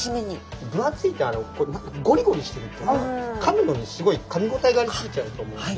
分厚いとゴリゴリしてるとかむのにすごいかみ応えがあり過ぎちゃうと思うんで。